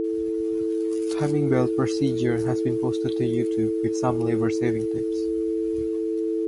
Timing belt procedure has been posted to You Tube with some labor-saving tips.